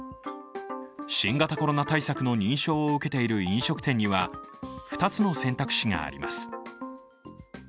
新型コロナ対策の認証を受けている飲食店には２つの選択肢があります。